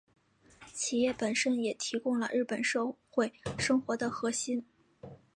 企业本身也提供了日本社会生活的核心。